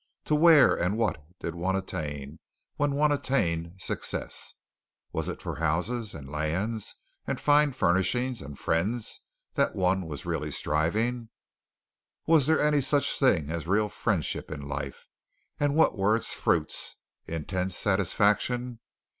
To where and what did one attain when one attained success? Was it for houses and lands and fine furnishings and friends that one was really striving? Was there any such thing as real friendship in life, and what were its fruits intense satisfaction?